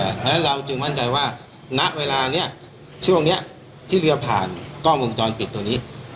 เพราะฉะนั้นเราจึงมั่นใจว่าณเวลานี้ช่วงนี้ที่เรือผ่านกล้องวงจรปิดตัวนี้